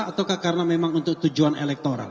atau karena memang untuk tujuan elektoral